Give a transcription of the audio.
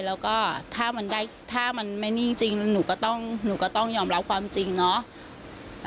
แล้วก็ถ้ามันไม่นิ่งจริงหนูก็ต้องยอมรับความจริงเนอะ